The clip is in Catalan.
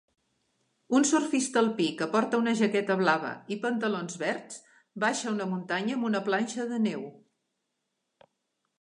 Un surfista alpí que porta una jaqueta blava i pantalons verds baixa una muntanya amb una planxa de neu